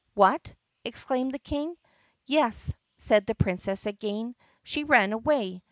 "What!" exclaimed the King. "Yes," said the Princess again, "she ran away.